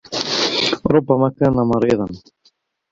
ربّما كان مريضا.